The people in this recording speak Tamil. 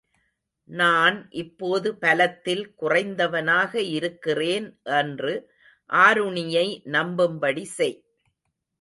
நான் இப்போது பலத்தில் குறைந்தவனாக இருக்கிறேன் என்று ஆருணியை நம்பும்படி செய்.